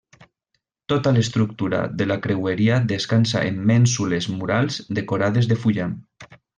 Tota l'estructura de la creueria descansa en mènsules murals decorades de fullam.